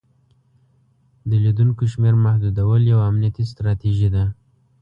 د لیدونکو شمیر محدودول یوه امنیتي ستراتیژي ده.